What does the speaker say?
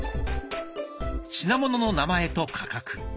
品物の名前と価格。